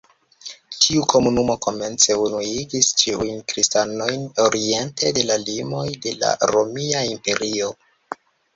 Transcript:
Tiu komunumo komence unuigis ĉiujn kristanojn oriente de la limoj de la Romia Imperio.